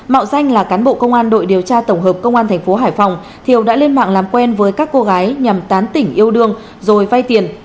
mạo danh là cán bộ công an đội điều tra tổng hợp công an thành phố hải phòng thiều đã lên mạng làm quen với các cô gái nhằm tán tỉnh yêu đương rồi vay tiền